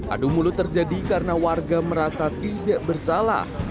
adu mulut terjadi karena warga merasa tidak bersalah